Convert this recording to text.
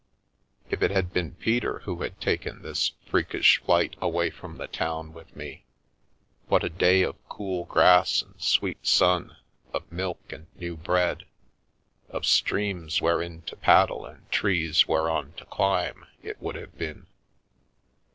If it had been Peter who had taken this freakish flight away from the town with me! What a day of cool grass and sweet sun, of milk and new bread, of streams wherein to paddle and trees whereon to climb, it would have been!